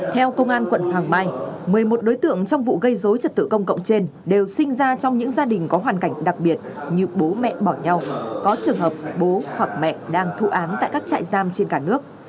theo công an quận hoàng mai một mươi một đối tượng trong vụ gây dối trật tự công cộng trên đều sinh ra trong những gia đình có hoàn cảnh đặc biệt như bố mẹ bỏ nhau có trường hợp bố hoặc mẹ đang thụ án tại các trại giam trên cả nước